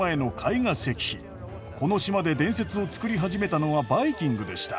この島で伝説をつくり始めたのはバイキングでした。